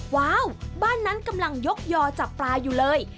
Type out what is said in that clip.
ว้าวบ้านนั้นกำลังยกยอจับปลาอยู่เลย